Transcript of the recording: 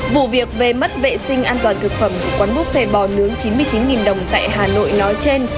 vụ việc về mất vệ sinh an toàn thực phẩm của quán búc thể bò nướng chín mươi chín đồng tại hà nội nói trên